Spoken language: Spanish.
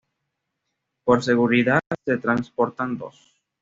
Por seguridad se transportan dos.